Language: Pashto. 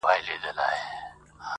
لا پر سوځلو ښاخلو پاڼي لري؛